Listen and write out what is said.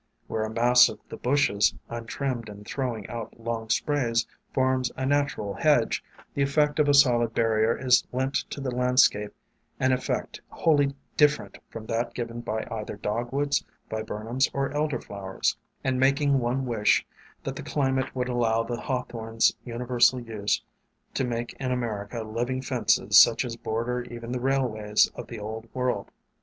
Where a mass of the bushes, untrimmed and throw ing out long sprays, forms a natural hedge, the effect of a solid barrier is lent to the landscape — an effect wholly different from that given by either Dogwoods, Viburnums, or Elder flowers, and making one wish that the climate would allow the Hawthorn's uni versal use to make in America living fences such as border even the railways of the Old World.